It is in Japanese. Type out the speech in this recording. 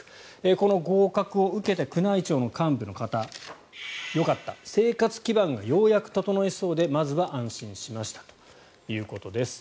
この合格を受けて宮内庁の幹部の方よかった生活基盤がようやく整いそうでまずは安心しましたということです。